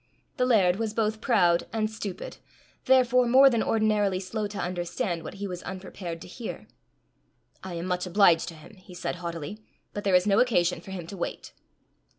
The laird was both proud and stupid, therefore more than ordinarily slow to understand what he was unprepared to hear. "I am much obliged to him," he said haughtily; "but there is no occasion for him to wait."